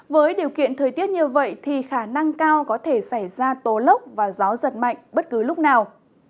với điều kiện thời tiết như vậy thì khả năng cao có thể xảy ra tố lốc và gió giật mạnh bất cứ lúc nào